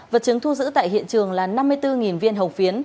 vật chứng thu giữ tại hiện trường là năm mươi bốn viên hồng phiến